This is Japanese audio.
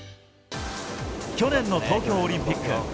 去年の東京オリンピック。